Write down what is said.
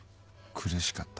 恋しかった。